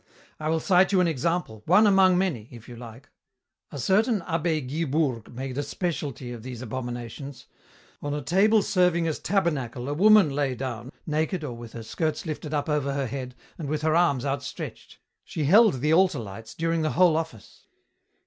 "I will cite you an example, one among many, if you like. "A certain abbé Guibourg made a specialty of these abominations. On a table serving as tabernacle a woman lay down, naked or with her skirts lifted up over her head, and with her arms outstretched. She held the altar lights during the whole office.